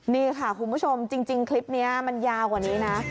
นี่ค่ะคุณผู้ชมจริงคลิปนี้มันยาวกว่านี้นะ